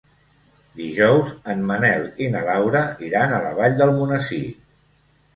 Dijous en Manel i na Laura iran a la Vall d'Almonesir.